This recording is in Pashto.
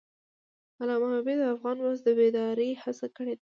علامه حبیبي د افغان ولس د بیدارۍ هڅه کړې ده.